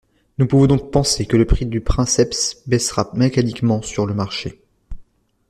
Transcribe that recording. Nous pouvons donc penser que le prix du princeps baissera mécaniquement sur le marché.